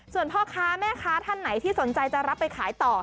ส่วนพ่อค้าแม่ค้าท่านไหนที่สนใจจะรับไปขายต่อ